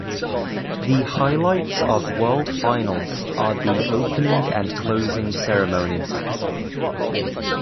The highlights of World Finals are the opening and closing ceremonies.